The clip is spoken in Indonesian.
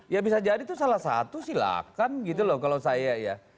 ya bisa jadi itu salah satu silakan gitu loh kalau saya ya